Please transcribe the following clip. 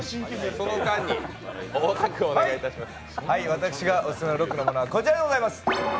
私のオススメのロックなものはこちらでございます。